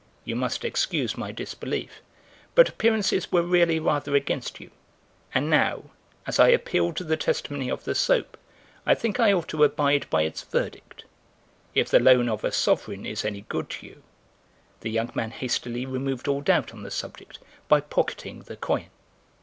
You must excuse my disbelief, but appearances were really rather against you, and now, as I appealed to the testimony of the soap I think I ought to abide by its verdict. If the loan of a sovereign is any good to you—" The young man hastily removed all doubt on the subject by pocketing the coin.